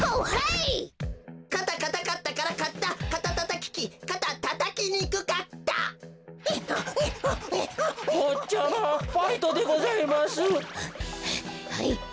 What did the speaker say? はいはい。